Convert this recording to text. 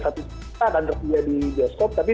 satu juta akan tersedia di bioskop tapi